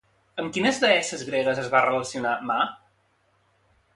Amb quines deesses gregues es va relacionar Ma?